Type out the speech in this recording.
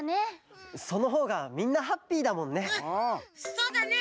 そうだね。